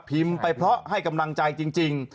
ไปเพราะให้กำลังใจจริง